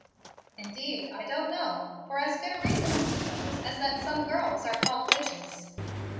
"Indeed, I don't know. For as good a reason, I suppose, as that some girls are called witches."